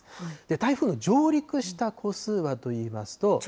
台風の上陸した個数はといいますと。